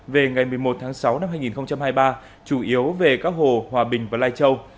về ngày một mươi một tháng sáu năm hai nghìn hai mươi ba chủ yếu về các hồ hòa bình và lai châu